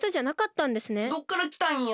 どっからきたんよ？